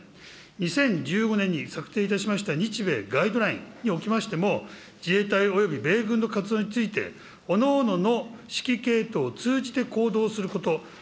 ２０１５年に策定いたしました日米ガイドラインにおきましても、自衛隊および米軍の活動について、おのおのの指揮系統を通じて行動すること。